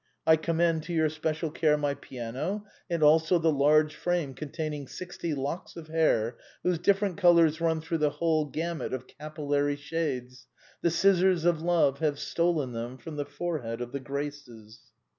I commend to your special care my piano, and also the large frame containing sixty locks of hair whose different colors run through the whole gamut of capillary shades : the scissors of love have stolen them from the forehead of the Graces.